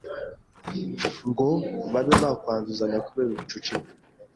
ngo babe bakwanduzanya kubera ubucucike”.